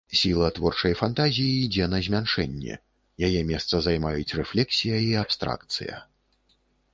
Сіла творчай фантазіі ідзе на змяншэнне, яе месца займаюць рэфлексія і абстракцыя.